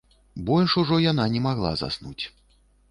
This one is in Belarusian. Больш ужо яна не магла заснуць.